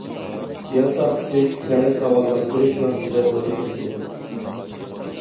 يەل تارقىتىش، تەرەت راۋانلاشتۇرۇش مەقسىتىدە دورا ئىشلىتىلىدۇ.